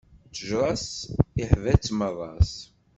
Ttejṛa-s ihba-tt maras.